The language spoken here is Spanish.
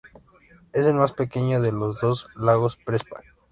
Es el más pequeño de los dos lagos Prespa.